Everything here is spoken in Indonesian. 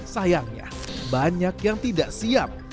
sayangnya banyak yang tidak siap